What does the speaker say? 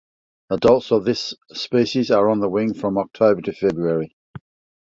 Adults of this species are on the wing from October to February.